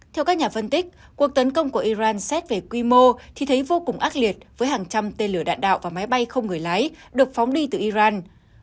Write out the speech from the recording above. theo các nhà phân tích cuộc tấn công của iran xét về quy mô thì thấy vô cùng ác liệt với hàng trăm tên lửa đạn đạo và máy bay không người lái được phóng đi từ iran